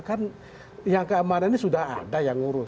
kan yang keamanan ini sudah ada yang ngurus